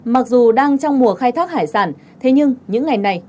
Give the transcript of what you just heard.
mặc dù đang trong mùa khai thác hải sản thế nhưng những ngày này